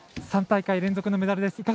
３大会連続のメダルです。